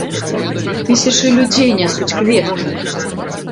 Тысячы людзей нясуць кветкі.